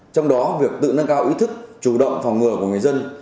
trong đó việc tự nâng cao ý thức chủ động phòng ngừa của người dân